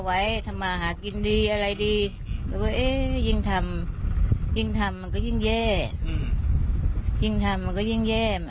ไม่อยากให้แม่เป็นอะไรไปแล้วนอนร้องไห้แท่ทุกคืน